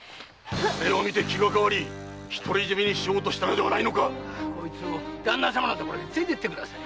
金を見て気が変わり独り占めにしようとしたのではないのか⁉旦那様のところへ連れて行ってください。